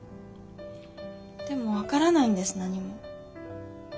でも分からないんです何も。